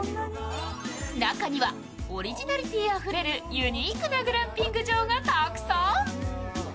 中にはオリジナリティーあふれるユニークなグランピング場がたくさん。